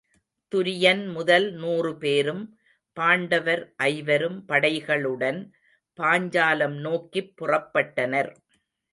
துரியன்முதல் நூறு பேரும் பாண்டவர் ஐவரும் படைகளுடன் பாஞ்சாலம் நோக்கிப் புறப்பட்டனர்.